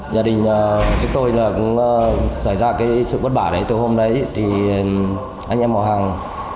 nhà đình chúng tôi cũng xảy ra cái sự bất bả từ hôm đấy thì anh em họ hàng